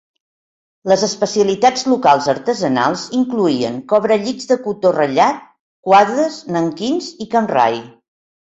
Les especialitats locals artesanals incloïen cobrellits de cotó ratllat, quadres, nanquins i camray.